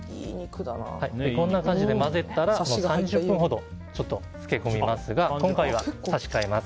こんな感じで混ぜたら３０分ほど漬け込みますが今回は差し替えます。